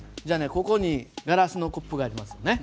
ここにガラスのコップがありますよね。